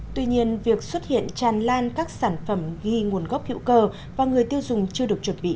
tuy nhiên việc xuất hiện tràn lan các sản phẩm ghi nguồn gốc hữu cơ và người tiêu dùng chưa được chuẩn bị